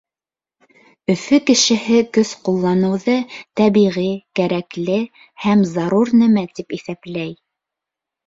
Өфө кешеһе көс ҡулланыуҙы тәбиғи, кәрәкле һәм зарур нәмә тип иҫәпләй.